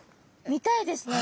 見たいですね。